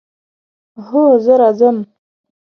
هو، زه راځم